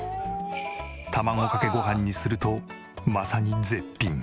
卵かけご飯にするとまさに絶品。